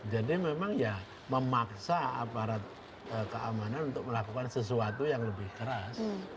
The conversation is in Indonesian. jadi memang ya memaksa aparat keamanan untuk melakukan sesuatu yang lebih keras